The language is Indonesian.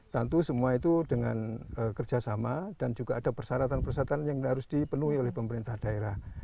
tentu semua itu dengan kerjasama dan juga ada persyaratan persyaratan yang harus dipenuhi oleh pemerintah daerah